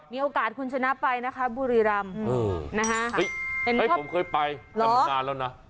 มีโอกาสคุณชนะไปนะคะบุรีรัมเออน่าฮะเฮ้ยผมเคยไปน้ำงานแล้วนะ